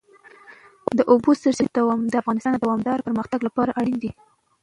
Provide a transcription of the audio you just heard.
د اوبو سرچینې د افغانستان د دوامداره پرمختګ لپاره اړین دي.